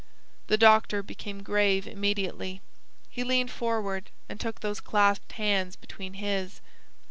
The doctor became grave immediately. He leaned forward and took those clasped hands between his.